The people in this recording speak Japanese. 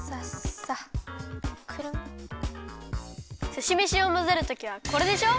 すしめしをまぜるときはこれでしょ？